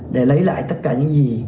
để lấy lại tất cả những gì